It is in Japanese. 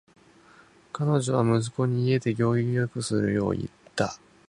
彼女は息子に家で行儀よくするように言った。